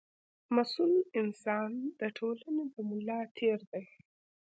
مسوول انسان د ټولنې د ملا تېر دی.